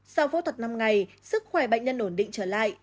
sau phẫu thuật năm ngày sức khỏe bệnh nhân ổn định trở lại